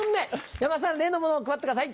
山田さん例のものを配ってください。